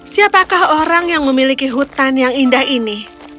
siapakah orang yang memiliki hutan yang indah ini